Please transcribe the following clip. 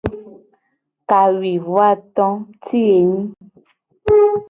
Kawuivoato ti enyi.